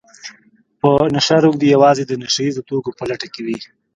په نشه روږدي يوازې د نشه يیزو توکو په لټه کې وي